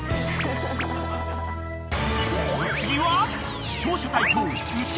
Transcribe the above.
［お次は］